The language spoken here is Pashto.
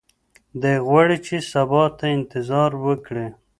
دی غواړي چې سبا ته انتظار وکړي.